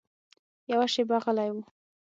يوه شېبه غلی و.